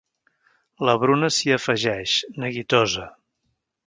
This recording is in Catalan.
La Bruna s'hi afegeix, neguitosa.